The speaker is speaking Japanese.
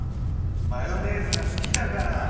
マヨネーズがすきだから。